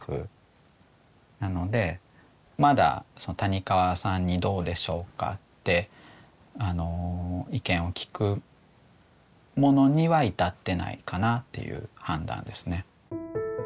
まだ谷川さんに「どうでしょうか？」って意見を聞くものには至ってないかなっていう判断ですね。